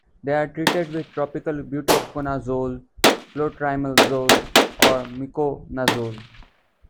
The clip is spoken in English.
They are treated with topical butoconazole, clotrimazole, or miconazole.